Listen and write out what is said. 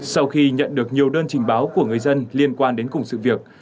sau khi nhận được nhiều đơn trình báo của người dân liên quan đến cùng sự việc